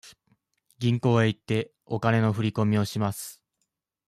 銀行へ行って、お金の振り込みをします。